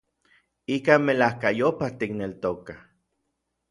Ikan melajkayopaj tikneltokaj.